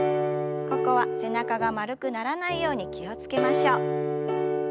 ここは背中が丸くならないように気を付けましょう。